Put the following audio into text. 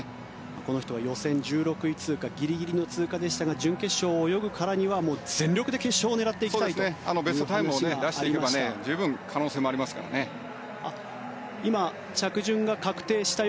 この人は予選１６位通過ギリギリの通過でしたが準決勝を泳ぐからには全力で決勝を狙っていきたいと話していました。